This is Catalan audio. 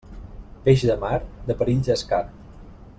Peix de mar, de perills és car.